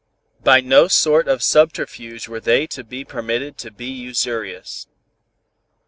By no sort of subterfuge were they to be permitted to be usurious.